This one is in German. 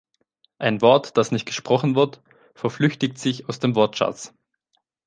Ein Wort, das nicht gesprochen wird, verflüchtigt sich aus dem Wortschatz.